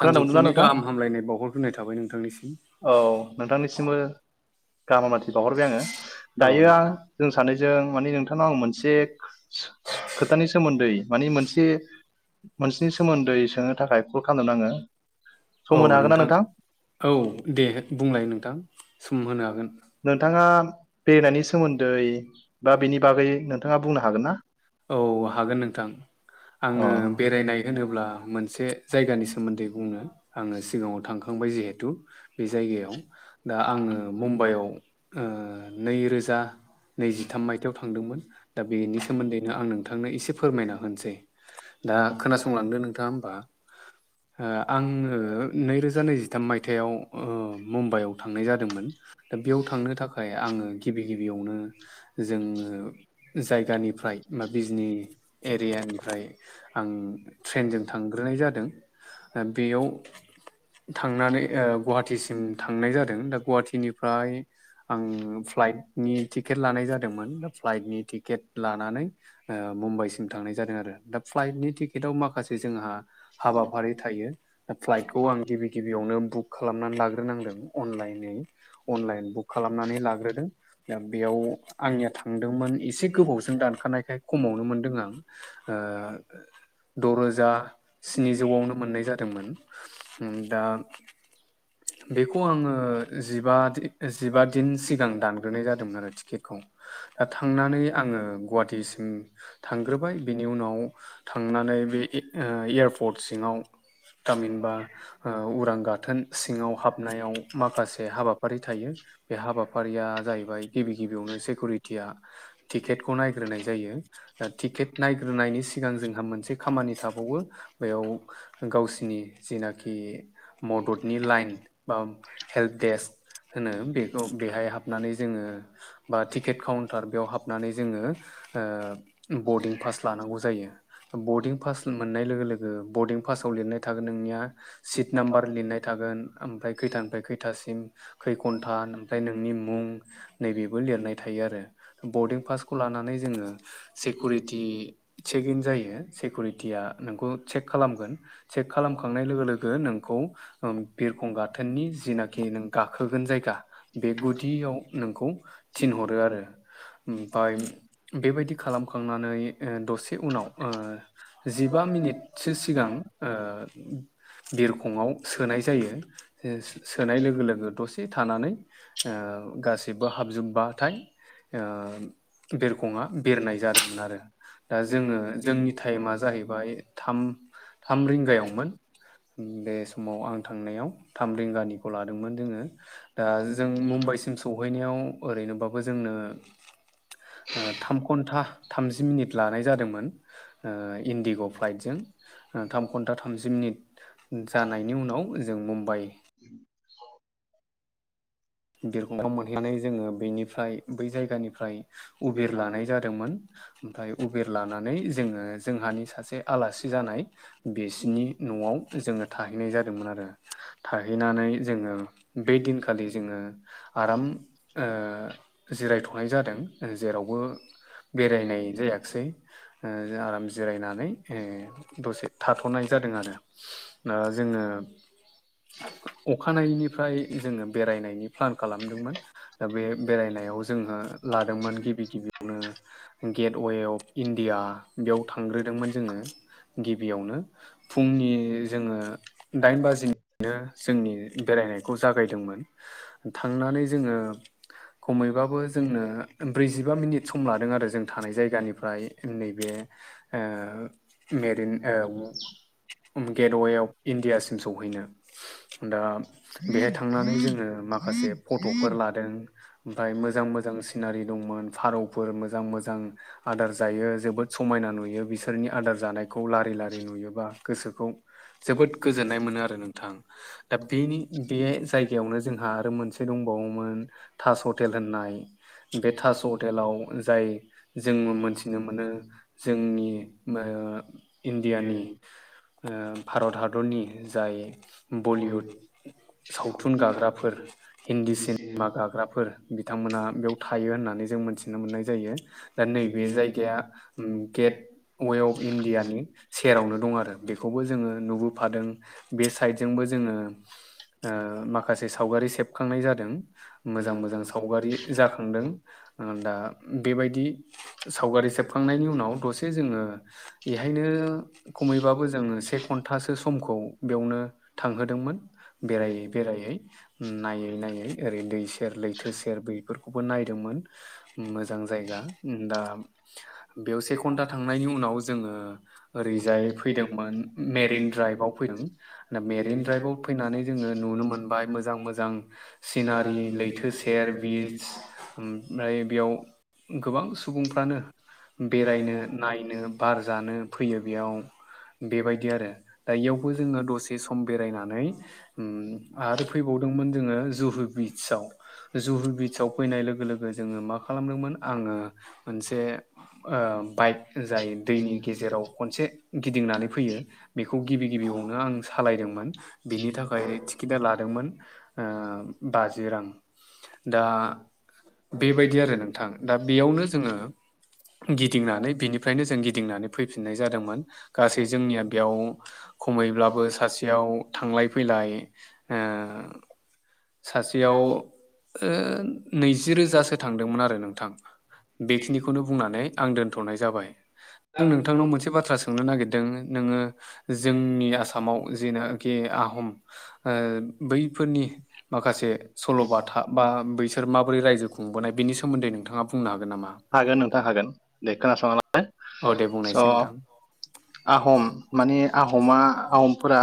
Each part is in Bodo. खोनानो मोनदोंना नोंथां गाहाम हामलायनाय बावहरग्रोनाय थाबाय नोंथांनिसिम। औ नोंथांनिसिमबो गाहामथि बावहरबाय आङो। औ दायो आं नोंथां जों सानैजों माने नोंथांनाव आं मोनसे खोथानि सोमोन्दै मानि मोनसे मोनसेनि सोमोन्दै सोंनो थाखाय खालामदों आङो सम होनो हागोनना नोंथां? औ दे बुंलाय नोंथां। सम होनो हागोन नोंथाङा बेरायनायनि सोमोन्दै दा बेनि बागै नोंथाङा बुंनो हागोन ना? औ हागोन नोंथां। अ आङो बेरायनाय होनोब्ला मोनसे जायगानि सोमोन्दै बुंनो आङो सिगाङाव थांखांबाय जिहेथु बे जायगायाव दा आङो मुम्बाइआव ओ नैरोजा नैजिथाम मायथाइाव थांदोंमोन दा बेनि सोमोन्दै बेनो आं नोंथांनो एसे फोरमायना होनोसै दा खोनासंलांदो नोंथाङा होमबा आङो नैरोजा नैजिथाम मायथाइयाव ओ मुम्बाइआव थांनाय जादोंमोन दा बेयाव थांनो थाखाय आङो गिबि गिबियावनो जोङो जायगानिफ्राय मा बिजनि एरियानिओफ्राय आं ट्रेनजों थांग्रोनाय जादों। बेयाव थांनानै गुवाहाटिसिम थांनाय जादों दा गुवाहाटिनिफ्राय आं फ्लाइटनि टिकेट लानाय जादोंमोना फ्लाइटनि टिकेट लानानै ओ मुम्बाइसिम थांनाय जादों आरो दा फ्लाइटनि टिकेटआव माखासे जोंहा हाबाफारि थायो फ्लाइटखौ आं गिबि गिबियावनो बुक खालामनानै लाग्रोनांदों अनलाइन अनलाइन बुक खालामनानै लाग्रोदों। दा बेयाव आंनिया थांदोंमोन एसे गोबावजों दानखानाय खमावनो मोनदों आं ओ द'रोजा स्निजौआवनो मोन नाय जादोंमोन दा बेखौ आङो जिबा जिबा दिन सिगां दानग्रोनाय जादोंमोन आरो टिकेटखौ। दा थांनानै आङो गुवाहाटिसिम थांग्रोबाय बेनि उनाव थांनानै बे एयारपर्ट सिङाव थामहिनबा उरां गाथोन सिङाव हाबनायाव माखासे हाबाफारि थायो बे हाबाफारिया जाहैबाय गिबि गिबियावनो सिकिउरिटिया टिकेटखौ नायग्रोनाय जा टिकेट नायग्रोनायनि सिगां जोंहा मोनसे खामानि थाबावो बेयाव गावसिनि जेनाखि मददनि लाइन बा हेल्प देस्क होनो बेखौ बेहाय हाबनानै जोङो बा टिकेट काउन्टार बेयाव हाबनानै जोङो ओ बरडिं पास लानांगौ जायो। बर्डिं पास मोननाय लोगो लोगो बरडिं पासाव लिरनाय थागोन नोंनिया सिट नाम्बार लिरनाय थागोन ओमफ्राय खैथानिफ्राय खैथासिम खै घन्टा ओमफ्राय नोंनि मुं नैबेबो लिरनाय थायो आरो बरडिं पासखौ लानानै जोङो सिकिउरिटि चेक इन जायो सिकिउरिटिया नोंखौ चेक खालामगोन। चेक खालामखांनाय लोगो लोगो नोंखौ बिरखं गाथोननि जिनाखि नों गाखोगोन जायगा बे गुदियाव नोंखौ थिनहरो आरो ओमफाय बेबायदि खालामखांनानै दसे उनाव जिबा मिनिटसो सिगां ओ बिरखंआव सोनाय जायो सोनाय लोगो लोगो दसे थानानै ओ गासैबो हाबजोबबाथाय ओ बिरखंआ बिरनाय जादोंमोन आरो। दा जोङो जोंनि टाइमा जाहैबाय थाम थाम रिंगायावमोन। बे समाव आं थांनायाव थाम रिंगानिखौ लादोंमोन जोङो। दा जों मुम्बाइसिम सौहैनायाव ओरैनोबाबो जोंनो ओ थाम घन्टा थामजि मिनिट लानाय जादोंमोन ओ इन्डिग' फ्लाइटजों। ओ थाम घन्टा थामजि मिनिट जानायनि उनाव जों मुम्बाइ [inaudible] बिरखं [unintelligible] मोनहैनानै जोङो बेनिफ्राय बै जायगानिफ्राय उइबेर लानाय जादोंमोन। ओमफ्राय उइबेर लानानै जोङो जोंहानि सासे आलासि जानाय बिसिनि न'आव जोङो थाहैनाय जादोंमोन आरो। थाहैनानै जोङो बे दिनखालि जोङो आराम ओ जिरायथ'नाय जादों जेरावबो बेरायनाय जायाखिसै आराम जिरायनानै ओ दसे थाथ'नाय जादों आरो। ओ जोङो अखानायैनिफ्राय जोङो बेरायनायनि प्लान खालामदोंमोन। दा बे बेरायनायाव जोङो लादोंमोन गिबि गिबियावनो गेटवे अफ इण्डिया बेयाव थांग्रोदोंमोन जोङो गिबियावनो। फुंनि जोङो दाइन बाजिनिफ्रायनो जोंनि बेरायनायखौ जागायदोंमोन। थांनानै जोङो खमैबाबो जोंनो ब्रैजिबा मिनिट सम लादों आरो जों थानाय जायगानि फ्राय नैबे ओ मेरिन ओ गेटवे अफ इणडियासिम सौहैनो। दा बेहाय थांनानै जों ओ माखासे फट'फोर लादों, ओमफ्राय मोजां मोजां सिनारि दंमोन, फारौफोर मोजां मोजां आदार जायो जोबोद समायना नुयो बिसोरनि आदार जानाय खौ लारि लारि नुयोबा गोसोखौ जोबोद गोजोननाय मोनो आरो नोंथां। दा बेनि बे जायगायावनो जोंहा आरो मोनसे दंबावोमोन तास हटेल होननाय। बे ताज हटेलाव जाय जोङो मोनथिनो मोनो जोंनि मो इण्डियानि ओ भारत हादरनि जाय बलिउड सावथुन गाग्रा फोर हिन्दी सिनेमा गाग्राफोर बिथांमोना बेयाव थायो होननानै जों मोनथिनो मोननाय जायो। दा नैबे जायगाया गेटवे अफ इण्डियानि सेरावनो दं आरो। बेखौबो जोङो नुबोफादों बे साइडजोंबो जोङो ओ माखासे सावगारि सेबखांनाय जादों, मोजां मोजां सावगारि जाखांदों। दा बेबायदि सावगारि सेबखांनायनि उनाव दसे जोङो इहायनो खमैबाबो जोङो से घन्टासो समखौ बेवनो थांहोदोंमोन बेरायै बेरायै। नायै नायै ओरै दै सेर लैथो सेर बैफोरखौबो नायदोंमोन मोजां जायगा दा बेयाव से घन्टा थांनायनि उनाव जोङो ओरैजाय फैदोंमोन मेरिन दड्राइभआव फैदों दा मेरिन द्राइभआव फैनानै जोङो नुनो मोनबाय मोजां मोजां सिनारि लैथो सेर बिच ओमफ्राय बेयाव गोबां सुबुंफ्रानो बेरायनो, नायनो, बार जानो फैयो बेयाव। बेबायदि आरो दा इयावबो जोङो दसे सम बेरायनानै ओम आरो फैबावदोंमोन जोङो जुहु बिचआव। जुहु बिचआव फैनाय लोगो लोगो जोङो मा खालामदोंमोन आङो मोनसे ओ बाइक जाय दैनि गेजेराव खनसे गिदिंनानै फैयो बेखौ गिबि गिबियावनो आं सालायदोंमोन बेनि थाखाय रेट टिकेटा ला ओ बाजि रां दा बेबायदि आरो नोंथां दा बेयावनो जोङो गिदिंनानै बिनिफ्रायनो जों गिदिंनानै फैफिननाय जादोंमोन गासै जोंनिया बेयाव खमैब्लाबो सासेयाव थांलाय फैलाय ओ सासेयाव ओ नैजि रोजासो थां दोंमोन आरो नोंथां। बेखिनिखौनो बुंनानै आं दोनथ'नाय जाबाय। आं नोंथांनाव मोनसे बाथ्रा सोंनो नागिरदों नोङो जोंनि आसामाव जेनो खि आहम ओ बैफोरनि माखासे सल'बाथा बा बैसोर माबोरै रायजो खुंबोनाय बेनि सोमोन्दै नोंथाङा बुंनो हागोन नामा? हागोन नोंथां हागोन दे खोना [inaudible] औ दे बुंनायसै नोंथां। आहम माने आहमा आहमफोरा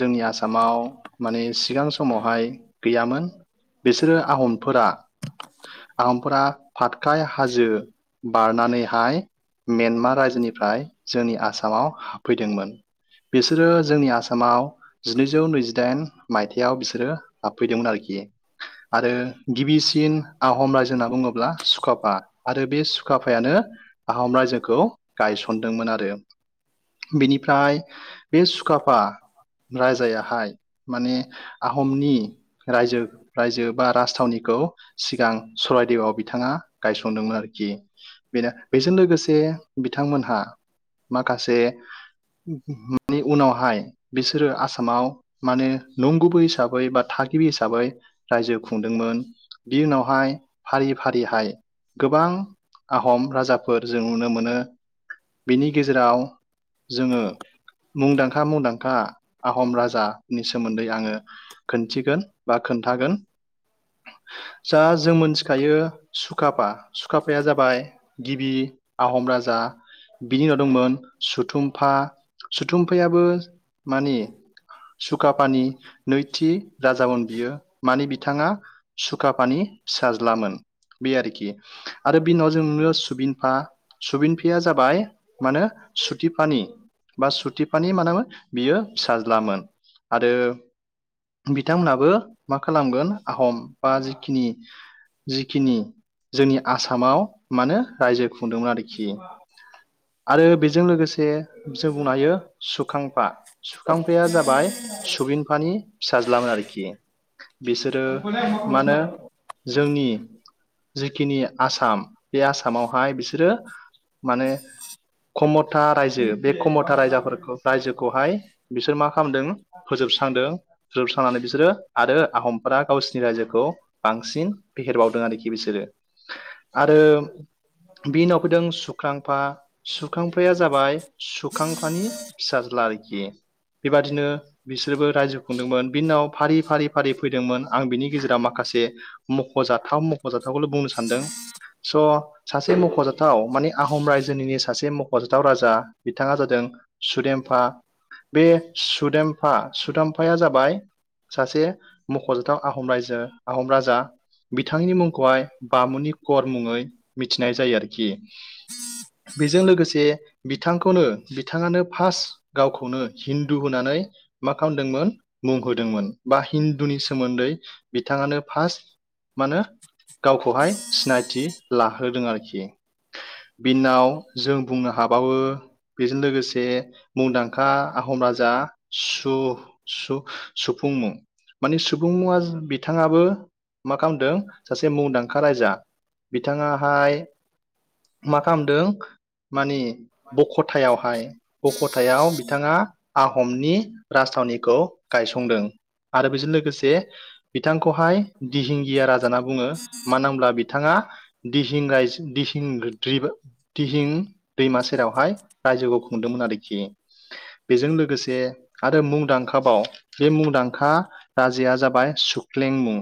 जोंनि आसामाव माने सिगां समावहाय गैयामोन। बिसोरो आहमफोरा आहमफोरा फातखाय हाजो बारनानैहाय म्येनमार रायजोनिफ्राय जोंनि आ आसामाव फैदोंमोन बिसोरो जोंनि आसामाव जिनैजौ नैजि दाइन मायथाइाव बिसोरो हाबफैदोंमोन आरोखि आरो गिबिसिन आहम रायजो होनना बुङोब्ला सुकाफा आरो बे सुकाफायानो आहम रायजोखौ गायसनदोंमोन आरो। बिनिफ्राय बे सुकाफा राजायाहाय माने आहमनि रायजो रायजो बा राजथावनिखौ सिगां सरायदेवआव बिथाङा गायसनदोंमोन आरोखि। बेनो बेजों लोगोसे बिथांमोनहा माखासे माने उनावहाय बिसोरो आसामाव माने नंगुबै हिसाबै बा थागिबि हिसाबै रायजो खुंदोंमोन। बि उनावहाय फारि फारिहाय गोबां आहम राजाफोर जों नुनो मोनो। बेनि गेजेराव जोङो मुंदांखा मुंदां खा आहम राजानि सोमोन्दै आङो खोनथिगोन बा खोन्थागोन। जा जों मोनथिखायो सुकाफा सुकाफाया जाबाय गिबि आहम राजा। बिनि उनाव दंमोन सुथुम्फा सुथुम्फायाबो मानि सुकाफानि नैथि राजामोन बियो माने बिथाङा सुखाफानि फिसाज्लामोन बे आरोखि। आरो बिनाव जों नुङो सुबिनफा सुबिनफिया जाबाय मानो सुदिफ फानि बा सुथिफानि मानामोन बियो फिसाज्ला मोन आरो बिथांमोनाबो मा खालामगोन आहम बा जिखिनि जिखिनि जोंनि आसामाव मानो रायजो खुंदोंमोन आरोखि। आरो बेजों लोगोसे जों बुंनो हायो सुखांफा सुखांफाया जाबाय सुबिन फानि फिसाज्लामोन आरोखि बिसोरो मा नो जोंनि जिखिनि आसाम बे आसामावहाय बिसोरो माने खमथा रायजो बे खमथा रायजाफोरखौ रायजोखौहाय बिसोर मा खालामदों फोजोबस्रांदों फोजोबस्रांनानै बिसोरो आरो आहम फोरा गावसिनि रायजोखौ बांसिन फेहेरबावदों आरोखि बिसोरो। आरो बिनि उनाव फैदों सुख्रांफा। सुख्रांफाया जाबाय सुखांफानि फिसाज्ला आरोखि। बेबादिनो बिसोरबो रायजो खुंदोंमोन बिनाव फारि फारि फारि फैदोंमोन आं बिनि गेजेराव माखासे मख'जाथाव मख'जाथावखौल' बुंनो सानदों। स' सासे मख'जाथाव माने आहम रायजोनिनो सासे मख'जाथाव राजा बिथाङा जादों सुदेमफा बे सुदेमफा सुदाम्फाया जाबाय सासे मख'जाथाव आहम रायजो आहम रायजा राजा बिथांनि मुंखौहाय बामुनि कर मुङै मिथिनाय जायो आरोखि। बेजों लोगोसे बिथांखौनो बिथाङानो फास्ट गावखौनो हिन्दु होनानै मा खालामदोंमोन मुंहोदोंमोन बा हिन्दुनि सोमोन्दै बिथाङानो फास्ट माहोनो गावखौहाय सिनायथि लाहोदों आरोखि। बिनाव जों बुंनो हाबावो बेजों लोगोसे मुंदांखा आहम राजा सु-सुख-सुफुंमुं। माने सुफुंमुङा बिथाङाबो मा खालामदों सासे मुंदांखा राजा बिथाङाहाय मा खालामदों माने बख'थायावहाय बख'थायाव बिथाङा आहमनि राजथावनिखौ गायसंदों। आरो बेजों लोगोसे बिथांखौहाय दिहिंगिया राजा होनना बुङो मानो होनब्ला बिथाङा दिहिं रायजो दिहिं दैबा दिहिं दैमा सेरावहाय रायजोखौ खुंदोंमोन आरोखि बेजों लोगोसे आरो मुंदांखा बाव बे मुंदांखा राजाया जाबाय सुख्लेंमुं।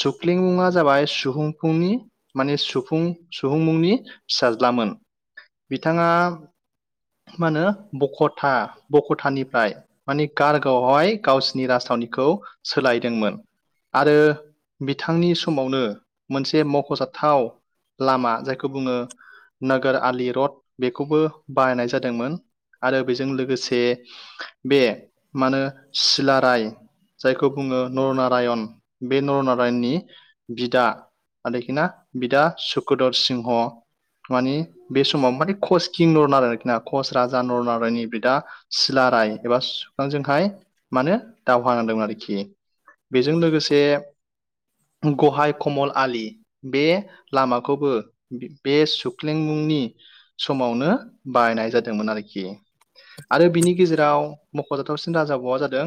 सुख्लेंमुं आ जाबाय सुहुंफुंनि माने सुफुं-सुहुंमुंनि फिसाज्लामोन बिथाङा मा होनो बख'था बख'थानिफ्राय माने गारगाव आवहाय गावसिनि राजथावनिखौ सोलायदोंमोन। आरो बिथांनि समावनो मोनसे मख'जाथाव लामा जायखौ बुङो नोगोर आलि रड बेखौबो बाहायनाय जादोंमोन आरो बेजों लोगोसे बे मा होनो सिलाराय जायखौ बुङो नरनारायण बे नरनारायणनि बिदा आरोखिना बिदा सुकुधर सिंह मानि बे समाव माने कस किं लर आरोखि ना? कच राजा नरनारायणनि बिदा सिलाराय एबा सु [unintelligible] जोंहाय मानो दावहा नांदोंमोन आरोखि बेजों लोगोसे गहाय कमल आलि बे लामाखौबो बे सुख्लेंमुंनि समावनो बानायनाय जादोंमोन आरोखि आरो बिनि गेजेराव मख'जाथावसिन राजाबावआ जादों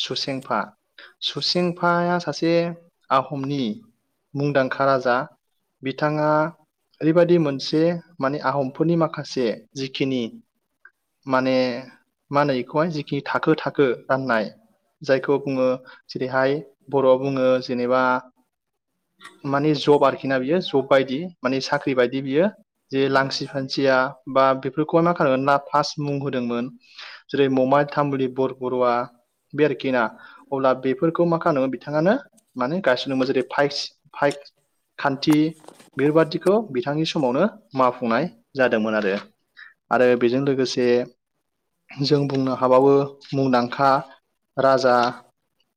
सुसेेंफा सुसेेंफाया सासे आहमनि मुंदांखा राजा। बिथाङा ओरैबायदि मोनसे माने आहमफोरनि माखा से जिखिनि माने मा होनो बेखौहाय जिखिनि थाखो थाखो राननाय जायखौ बुंङो जेरैहाय बर'आव बुङो जेनेबा माने जब आरोखि ना बियो जब बायदि माने साख्रि बायदि बियो जे लांसि फां सिया बा बेफोरखौहाय मा खालामना फार्स्ट मुं होदोंमोन जेरै ममाय तामुलि बर बरुआ बे आरोखि ना अब्ला बेफोरखौ मा खालामदोंमोन बिथाङानो माने गायसनदोंमोन जेरै फाइस फाइ खान्थि बेबादिखौ बिथांनि समावनो मावफुंनाय जा दोंमोन आरो। आरो बेजों लोगोसे जों बुंनो हाबावो मुंदांखा राजा